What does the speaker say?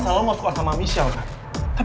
kalian bisa mikir gak